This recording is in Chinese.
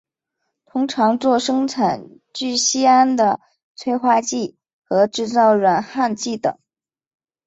通常作生产聚酰胺的催化剂和制造软焊剂等。